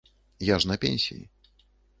Я ж на пенсіі.